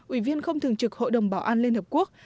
ủy viên không thường trực hội đồng bảo an liên hợp quốc